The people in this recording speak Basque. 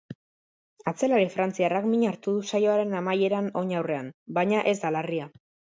Atzelari frantziarrak min hartu du saioaren amaieran oin-aurrean, baina ez da larria.